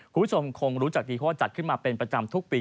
คุณผู้ชมคงรู้จักดีเพราะว่าจัดขึ้นมาเป็นประจำทุกปี